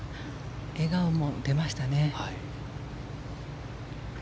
笑顔も出ましたね。